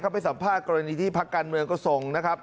ไปสัมภาษณ์กรณีที่พักการเมืองก็ส่งนะครับ